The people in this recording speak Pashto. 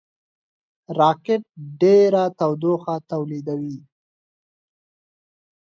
راکټ ډېره تودوخه تولیدوي